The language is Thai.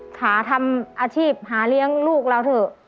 ขาทำอาชีพหาเลี้ยงลูกเราเถอะ